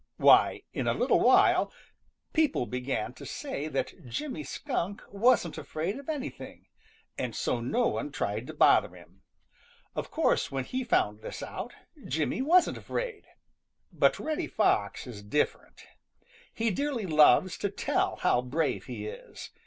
Why, in a little while people began to say that Jimmy Skunk wasn't afraid of anything, and so no one tried to bother him. Of course when he found this out, Jimmy wasn't afraid. But Reddy Fox is different. He dearly loves to tell how brave he is.